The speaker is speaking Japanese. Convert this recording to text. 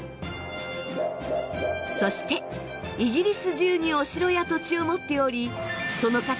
そしてイギリス中にお城や土地を持っておりその価値